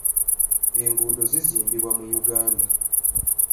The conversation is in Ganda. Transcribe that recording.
Enguudo zizimbibwa mu Uganda.